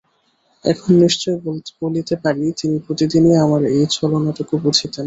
এখন নিশ্চয় বলিতে পারি, তিনি প্রতিদিনই আমার এই ছলনাটুকু বুঝিতেন।